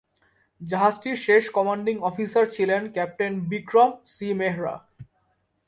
জাহাজটির শেষ commanding officer ছিলেন captain Vikram C Mehra.